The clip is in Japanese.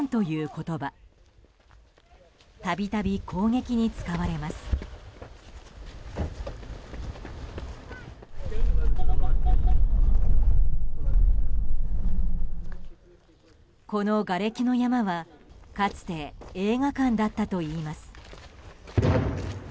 このがれきの山はかつて映画館だったといいます。